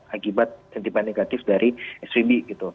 akibat sentimen negatif dari svb gitu